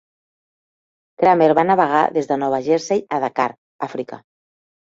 Creamer va navegar des de Nova Jersey a Dakar, Àfrica.